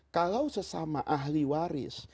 kalau sesama ahli waris